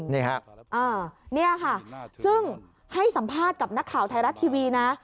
นี่ค่ะนี่ค่ะซึ่งให้สัมภาษณ์กับนักข่าวไทยรัฐทีวีนะ